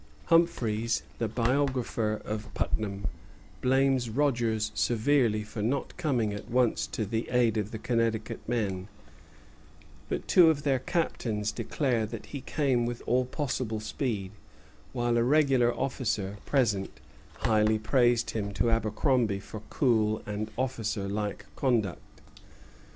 Humphreys, the biographer of Putnam, blames Rogers severely for not coming at once to the aid of the Connecticut men; but two of their captains declare that he came with all possible speed; while a regular officer present highly praised him to Abercromby for cool and officer like conduct.